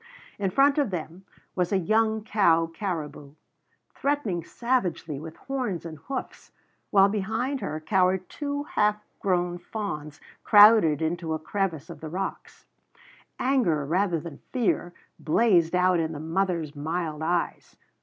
In front of them was a young cow caribou, threatening savagely with horns and hoofs, while behind her cowered two half grown fawns crowded into a crevice of the rocks. Anger, rather than fear, blazed out in the mother's mild eyes.